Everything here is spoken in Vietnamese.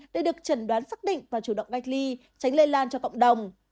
để được chẩn đoán xác định và chủ động cách ly tránh lây lan cho cộng đồng